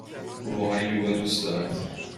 او واقعا یوگا دوست دارد.